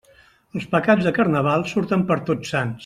Els pecats de Carnaval surten per Tots Sants.